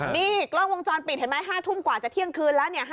นี่กล้องวงจรปิดเห็นไหม๕ทุ่มกว่าจะเที่ยงคืนแล้วเนี่ย